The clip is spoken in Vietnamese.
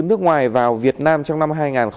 nước ngoài vào việt nam trong năm hai nghìn hai mươi